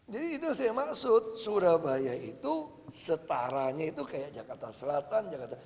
jadi itu saya maksud surabaya itu setaranya itu kayak jakarta selatan jakarta